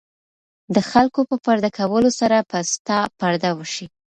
د خلکو په پرده کولو سره به ستا پرده وشي.